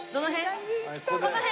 どの辺？